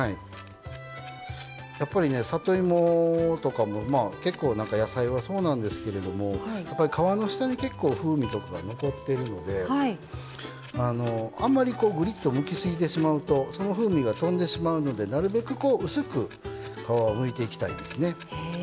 やっぱり里芋とかも、結構野菜はそうなんですけど皮の下に結構、風味とかが残っているのであまり、ぐりっとむきすぎてしまうとその風味が飛んでしまうのでなるべく薄く皮をむいていただきたいですね。